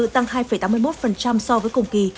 tăng hai tám mươi một so với cùng kỳ